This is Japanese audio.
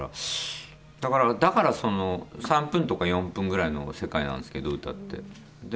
３分とか４分ぐらいの世界なんですけど、歌って。